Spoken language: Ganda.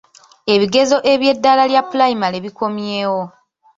Ebigezo eby'eddaala lya pulayimale bikomyewo.